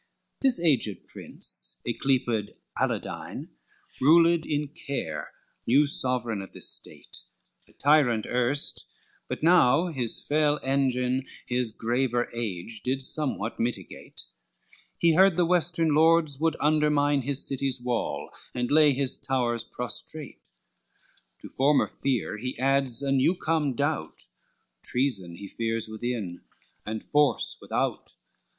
LXXXIII This aged prince ycleped Aladine, Ruled in care, new sovereign of this state, A tyrant erst, but now his fell engine His graver are did somewhat mitigate, He heard the western lords would undermine His city's wall, and lay his towers prostrate, To former fear he adds a new come doubt, Treason he fears within, and force without.